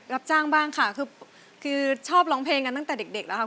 รับจ้างบ้างค่ะคือชอบร้องเพลงกันตั้งแต่เด็กแล้วค่ะ